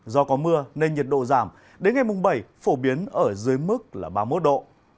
do có mưa nên nhiệt độ giảm đến ngày mùng bảy phổ biến ở dưới mức là ba mươi một độ